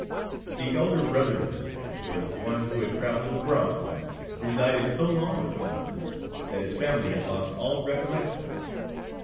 The elder brother of this man was one who had travelled abroad, and resided so long on the Continent, that his family had lost all recollection of him.